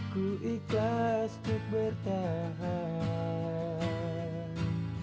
ku ikhlas untuk bertahan